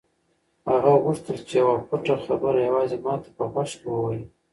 هغه غوښتل چې یوه پټه خبره یوازې ما ته په غوږ کې ووایي.